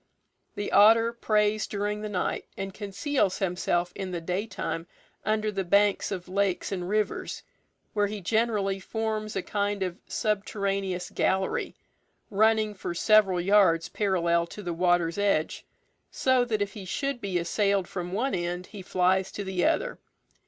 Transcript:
The otter preys during the night, and conceals himself in the daytime under the banks of lakes and rivers, where he generally forms a kind of subterraneous gallery, running for several yards parallel to the water's edge, so that if he should be assailed from one end, he flies to the other.